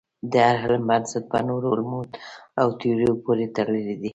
د هر علم بنسټ په نورو علومو او تیوریو پورې تړلی دی.